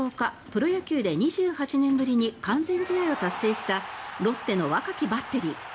プロ野球で２８年ぶりに完全試合を達成したロッテの若きバッテリー。